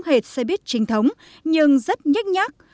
kinh thức sống hệt xe buýt trinh thống nhưng rất nhắc nhắc